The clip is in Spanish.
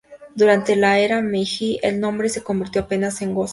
Durante la era Meiji, el nombre se convirtió apenas en Go-Sai.